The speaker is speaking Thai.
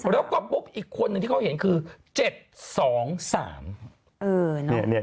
แล้วก็ปุ๊บอีกคนนึงที่เขาเห็นคือ๗๒๓